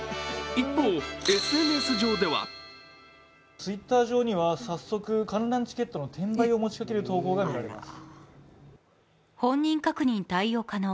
一方、ＳＮＳ上ではＴｗｉｔｔｅｒ上には早速、観覧チケットの転売を持ちかける投稿が見られます。